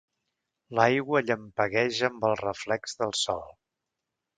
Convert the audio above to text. L'aigua llampegueja amb el reflex del sol.